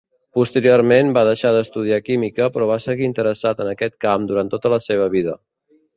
Posteriorment, va deixar d"estudiar química però va seguir interessat en aquest camp durant tota la seva vida.